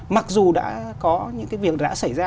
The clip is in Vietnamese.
mặc dù đã có những cái việc đã xảy ra